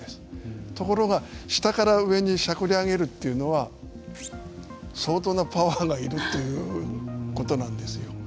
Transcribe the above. ところが下から上にしゃくり上げるというのは相当なパワーが要るということなんですよ。